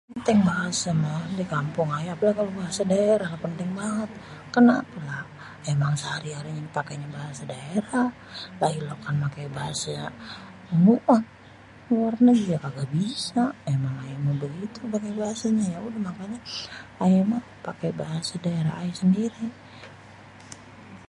penting bahasa mah di kampung aye.. apalagi kalo bahasa daerah penting banget.. kenapa? ya emang sehari-harinya pake bahasa daerah.. lha iya kalo bukan pake bahasa muot, luar negeri ya kagak bisa.. emang aye begitu bahasanya.. yaudah makanya aye mah pake bahasa daerah aye sendiri..